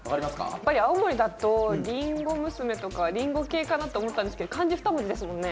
やっぱり青森だとりんご娘とかりんご系かなと思ったんですけど漢字二文字ですもんね